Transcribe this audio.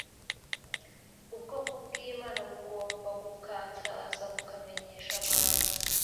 Ubwoko bw’Imana bugomba gukataza bukamenyesha abantu